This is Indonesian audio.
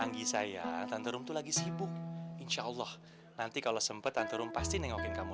anggi saya tante rum tu lagi sibuk insyaallah nanti kalau sempet tante rum pasti nengokin kamu